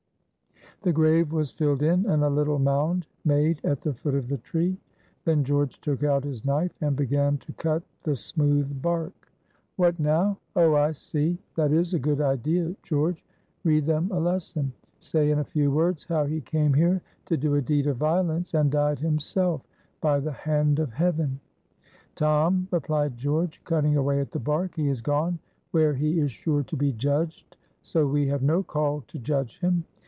The grave was filled in, and a little mound made at the foot of the tree. Then George took out his knife and began to cut the smooth bark. "What now? Oh, I see. That is a good idea, George. Read them a lesson. Say in a few words how he came here to do a deed of violence and died himself by the hand of Heaven." "Tom," replied George, cutting away at the bark, "he is gone where he is sure to be judged; so we have no call to judge him.